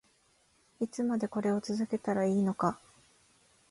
いつまでこれを続けたらいいのか